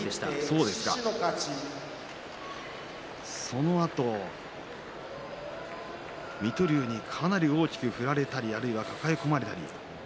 そのあと水戸龍にかなり大きく振られたりあるいは抱え込まれたり。